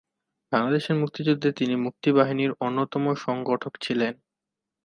বাংলাদেশের মুক্তিযুদ্ধে তিনি মুক্তিবাহিনীর অন্যতম সংগঠক ছিলেন।